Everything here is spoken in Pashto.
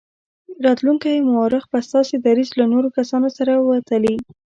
راتلونکی مورخ به ستاسې دریځ له نورو کسانو سره وتلي.